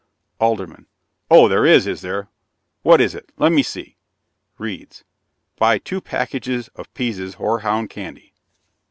'" ALDERMAN. "Oh, there is, is there? What is it? Let me see." Reads: "'Buy two packages of Pease's hoarhound candy.'"